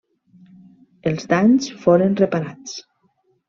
Els danys foren reparats.